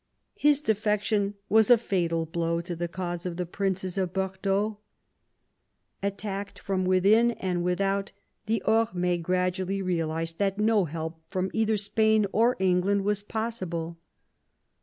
His defection was a fatal blow to the cause of the princes of Bordeaux. Attacked from within and 112 MAZARIN CHAP. without, the Orm^e gradually realised that no help from either Spain or England was possible.